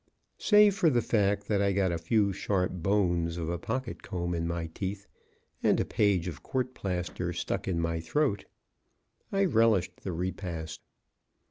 Save for the fact that I got a few sharp bones of a pocket comb in my teeth, and a page of court plaster stuck in my throat, I relished the repast.